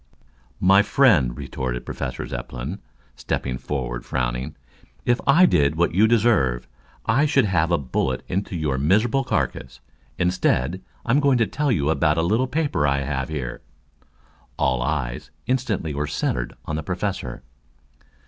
"My friend," retorted Professor Zepplin, stepping forward frowning. "If I did what you deserve, I should send a bullet into your miserable carcass. Instead I'm going to tell you about a little paper I have here." All eyes instantly were centered on the Professor.